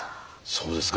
そうですか。